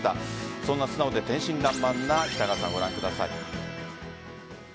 そんな素直で天真爛漫な北川さん、ご覧ください。